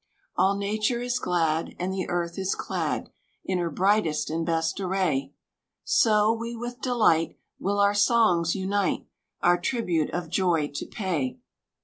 All nature is glad, And the earth is clad In her brightest and best array: So, we with delight Will our songs unite, Our tribute of joy to pay.